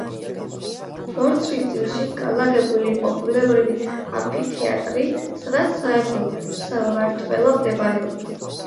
ბორცვის ძირში განლაგებული იყო ბუნებრივი ამფითეატრი, სადაც სამეფო სამმართველო მდებარეობდა.